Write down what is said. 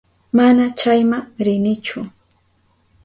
Mana chayma rinichu.